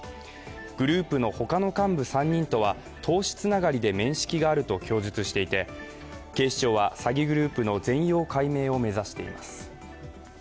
グループの他の幹部３人とは投資つながりで面識があると供述していて警視庁は詐欺グループの全容解明を目指しています。